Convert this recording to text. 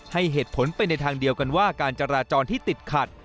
ให้เหตุผลไปในทางเดียวกันว่าการจราจรที่ติดขัด